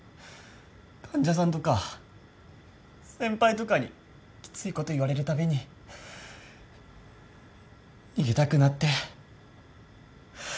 患者さんとか先輩とかにきついこと言われるたびに逃げたくなって。